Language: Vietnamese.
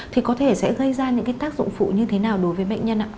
thì có thể sẽ gây ra những tác dụng phụ như thế nào đối với bệnh nhân ạ